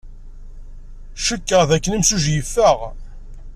Cikkeɣ dakken imsujji yeffeɣ.